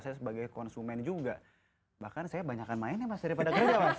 saya sebagai konsumen juga bahkan saya banyak mainnya mas daripada kerja mas